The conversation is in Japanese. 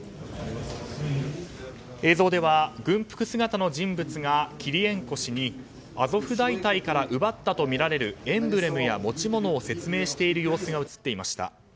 映像では軍服姿の人物がキリエンコ氏にアゾフ大隊から奪ったとみられるエンブレムや持ち物を説明している様子が映っていました。